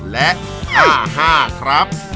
และ๕๕ครับ